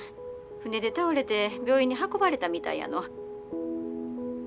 船で倒れて病院に運ばれたみたいやの。